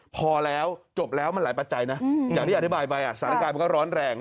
พอแล้วจบแล้วมันหลายปัจจัยนะอย่างที่อธิบายไปสถานการณ์มันก็ร้อนแรง